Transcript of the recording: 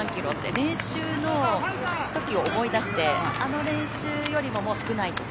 練習の時を思い出してあの練習よりも少ないとか。